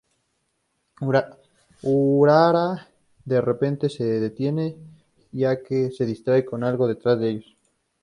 Urahara de repente se detiene, ya que se distrae con algo detrás de ellos.